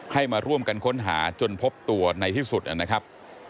ให้มาร่วมกันค้นหาจนพบตัวในที่สุดนะครับ